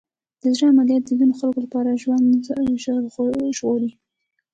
د زړه عملیات د ځینو خلکو لپاره ژوند ژغوري.